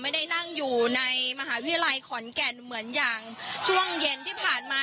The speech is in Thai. ไม่ได้นั่งอยู่ในมหาวิทยาลัยขอนแก่นเหมือนอย่างช่วงเย็นที่ผ่านมา